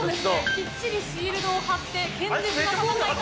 きっちりシールドを張って、堅実な使い方。